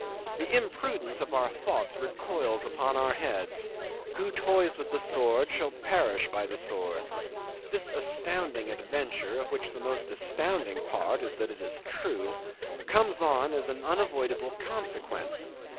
The imprudence of our thoughts recoils upon our heads; who toys with the sword shall perish by the sword. This astounding adventure, of which the most astounding part is that it is true, comes on as an unavoidable consequence.